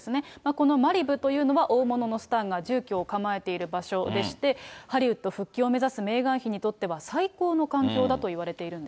このマリブというのは大物のスターが住居を構えている場所でして、ハリウッド復帰を目指すメーガン妃にとっては最高の環境だといわれているんです。